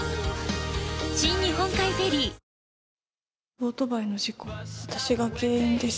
オートバイの事故、私が原因です。